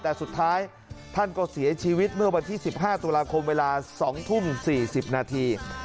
แต่สุดท้ายท่านก็เสียชีวิตเมื่อวันที่๑๕ตุลาคมเวลา๒ทุ่ม๔๐นาที